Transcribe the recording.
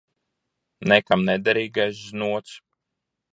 Nekam nederīgais znots.